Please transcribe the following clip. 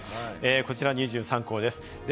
こちら２３校です。